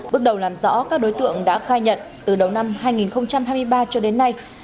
bước đầu làm rõ các đối tượng đã khai nhận từ đầu năm hai nghìn hai mươi ba cho đến nay